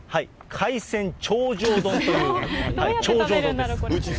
海鮮頂上丼という、頂上丼です。